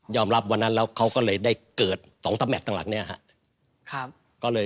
ยอมรับวันนั้นแล้วเขาก็เลยได้เกิด๒สมัครตอนหลังเนี่ยครับ